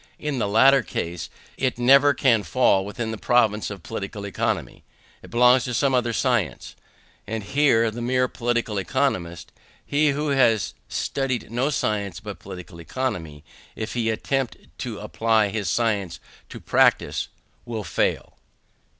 In the latter case it never can fall within the province of Political Economy; it belongs to some other science; and here the mere political economist, he who has studied no science but Political Economy, if he attempt to apply his science to practice, will fail.